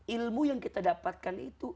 ilmu yang kita dapatkan itu